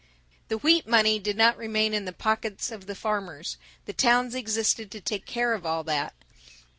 The wheat money did not remain in the pockets of the farmers; the towns existed to take care of all that.